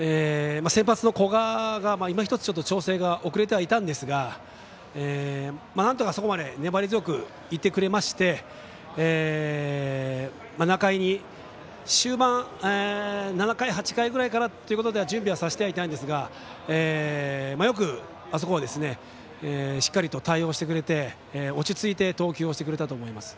先発の古賀がいまひとつ調整が遅れていたんですがなんとか、あそこまで粘り強く行ってくれまして仲井に終盤７回、８回ぐらいからということで準備させてはいたんですがよく、あそこはしっかりと対応してくれて落ち着いて投球をしてくれたと思います。